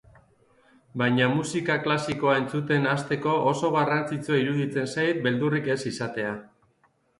Baina musika klasikoa entzuten hasteko oso garrantzitsua iruditzen zait beldurrik ez izatea.